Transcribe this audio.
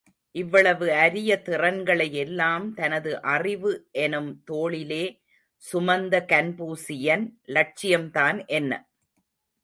இவ்வளவு அரிய திறன்களை எல்லாம் தனது அறிவு எனும் தோளிலே சுமந்த கன்பூசியசின் லட்சியம் தான் என்ன?